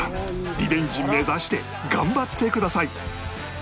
リベンジ目指して頑張ってください！